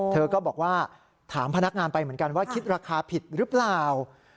เธอก็บอกว่าถามพนักงานไปเหมือนกันว่าคิดราคาผิดหรือเปล่า